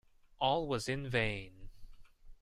All was in vain.